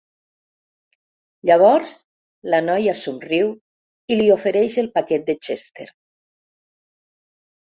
Llavors la noia somriu i li ofereix el paquet de Chester.